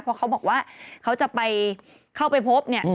เพราะเขาบอกว่าเขาจะไปเข้าไปพบเนี่ย